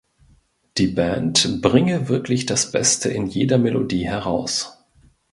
Die Band bringe wirklich das Beste in jeder Melodie heraus.